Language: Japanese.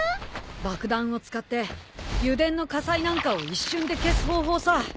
爆弾を使って油田の火災なんかを一瞬で消す方法さ。